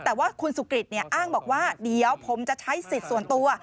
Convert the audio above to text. แต่ว่าคุณสุกริตอ้างบอกว่าเดี๋ยวผมจะใช้สิทธิ์ส่วนตัว